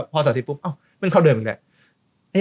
พอเสาร์อาทิตย์ปุ๊บอ้าวมันเข้าเดิมอีกแล้ว